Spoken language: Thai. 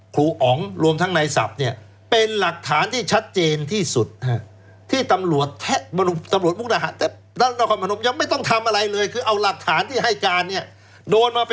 เกี่ยวกับคลุอ๋งคุณไม้สอบ